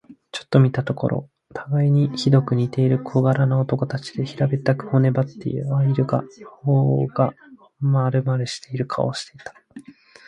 ちょっと見たところ、たがいにひどく似ている小柄な男たちで、平べったく、骨ばってはいるが、頬がまるまるしている顔をしていた。